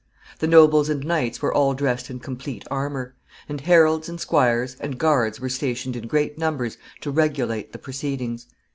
The nobles and knights were all dressed in complete armor; and heralds, and squires, and guards were stationed in great numbers to regulate the proceedings.